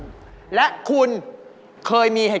กลับไปก่อนเลยนะครับ